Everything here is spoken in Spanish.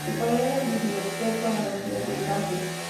Su padre era bibliotecario en la Universidad de Gante.